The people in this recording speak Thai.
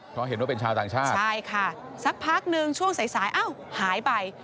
เพราะเห็นว่าเป็นชาวต่างชาติใช่ค่ะสักพักนึงช่วงสายสายเอ้าหายไป